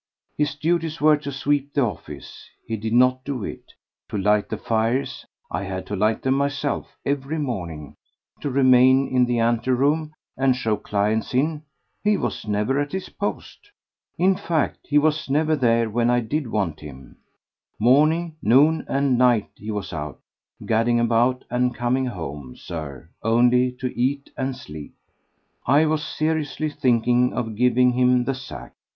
His duties were to sweep the office—he did not do it; to light the fires—I had to light them myself every morning; to remain in the anteroom and show clients in—he was never at his post. In fact he was never there when I did want him: morning, noon and night he was out—gadding about and coming home, Sir, only to eat and sleep. I was seriously thinking of giving him the sack.